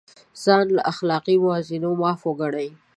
ځان له اخلاقي موازینو معاف وګڼي.